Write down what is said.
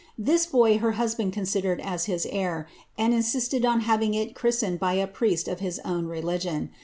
This boy her husband con sidered as his heir, and insisted on having it christened by a priest of hit own religion.